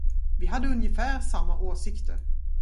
Vi hade ungefär samma åsikter.